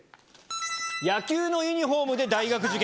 野球のユニホームで大学受験。